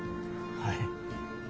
はい。